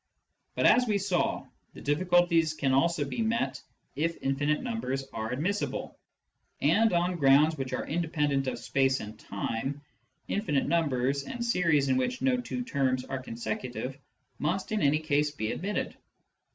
But, as we saw, the difficulties can also be met if infinite numbers are admissible. And on grounds which are independent of space and time, infinite numbers, and series in which no two terms are consecutive, must in any case be admitted.